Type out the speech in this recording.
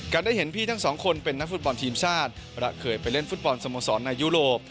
การได้เห็นพี่ทั้ง๒คนเป็นนักฟุตบอลทีมชาติเพราะเขาเคยไปเล่นฟุตบอลสมบัติสรรค์ในยุโรป